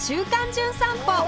じゅん散歩』